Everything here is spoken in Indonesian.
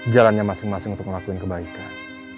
jalannya masing masing untuk ngelakuin kebaikan